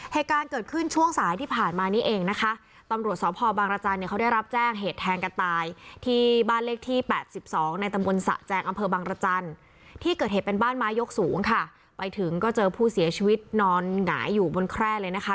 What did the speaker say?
เหตุการณ์เกิดขึ้นช่วงสายที่ผ่านมานี้เองนะคะตำรวจสพบางรจันทร์เนี่ยเขาได้รับแจ้งเหตุแทงกันตายที่บ้านเลขที่แปดสิบสองในตำบลสะแจงอำเภอบางรจันทร์ที่เกิดเหตุเป็นบ้านไม้ยกสูงค่ะไปถึงก็เจอผู้เสียชีวิตนอนหงายอยู่บนแคร่เลยนะคะ